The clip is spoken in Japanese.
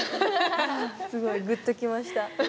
すごいグッときました。